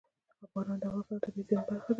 باران د افغانستان د طبیعي زیرمو برخه ده.